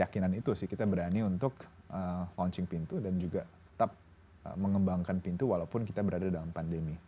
keyakinan itu sih kita berani untuk launching pintu dan juga tetap mengembangkan pintu walaupun kita berada dalam pandemi